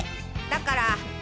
だから。